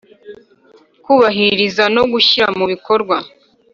Kubahiriza no gushyira mu bikorwa